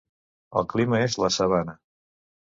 El clima és la sabana.